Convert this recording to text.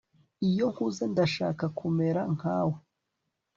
Iyo nkuze ndashaka kumera nkawe